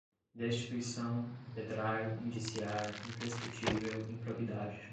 destituição, impetrar, indiciar, imprescritível, improbidade